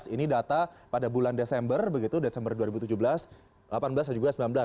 ini data pada bulan desember desember dua ribu tujuh belas dua ribu delapan belas dan juga dua ribu sembilan belas